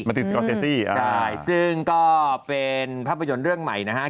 ติดสกอร์เซซี่ใช่ซึ่งก็เป็นภาพยนตร์เรื่องใหม่นะฮะ